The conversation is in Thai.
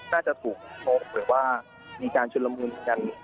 น่าจะถูกโจทย์หรือว่ามีชุดละมุนเกินกัน